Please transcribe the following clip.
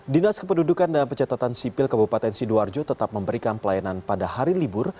dinas kependudukan dan pencatatan sipil kabupaten sidoarjo tetap memberikan pelayanan pada hari libur